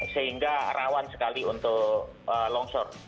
sehingga rawan sekali untuk longsor